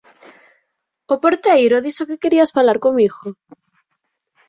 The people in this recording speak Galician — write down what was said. O porteiro dixo que querías falar comigo.